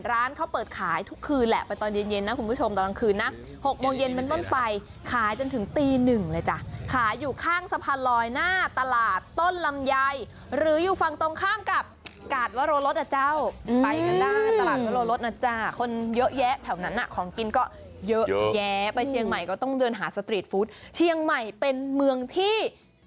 ร้านเขาเปิดขายทุกคืนแหละไปตอนเย็นเย็นนะคุณผู้ชมตอนกลางคืนนะ๖โมงเย็นเป็นต้นไปขายจนถึงตีหนึ่งเลยจ้ะขายอยู่ข้างสะพานลอยหน้าตลาดต้นลำไยหรืออยู่ฝั่งตรงข้ามกับกาดวโรรสอ่ะเจ้าไปกันได้ตลาดวโรรสนะจ๊ะคนเยอะแยะแถวนั้นของกินก็เยอะแยะไปเชียงใหม่ก็ต้องเดินหาสตรีทฟู้ดเชียงใหม่เป็นเมืองที่